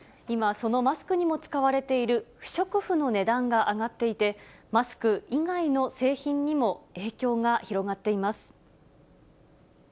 今、そのマスクにも使われている不織布の値段が上がっていて、マスク以外の製品にも影響が広がっています。